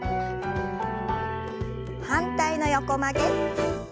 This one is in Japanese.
反対の横曲げ。